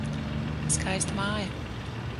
Skaista māja.